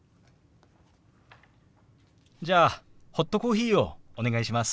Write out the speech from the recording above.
じゃあホットコーヒーをお願いします。